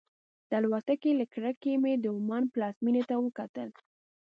د الوتکې له کړکۍ مې د عمان پلازمېنې ته وکتل.